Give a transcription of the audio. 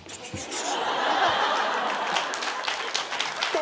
誰？